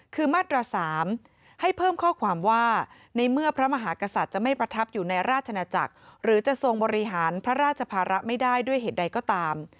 คือมาตรา๓ให้เพิ่มข้อความว่าในเมื่อพระมหากษัตริย์จะไม่ประทับอยู่ในราชนาจักรหรือจะทรงบริหารพระราชภาระไม่ได้ด้วยเหตุใดก็ตาม